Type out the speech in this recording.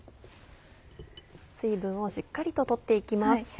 水分をしっかりと取って行きます。